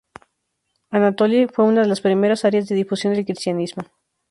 Anatolia fue una de las primeras áreas de difusión del Cristianismo.